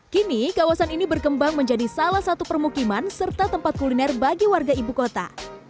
kini kawasan ini berkembang menjadi salah satu permukiman serta tempat kuliner bagi warga ibu kota